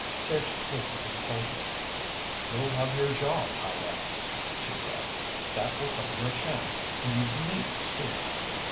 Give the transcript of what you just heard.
Tish looked at him coldly. "You'll have your jaw tied up," she said. "That will cover your chin, and you needn't speak.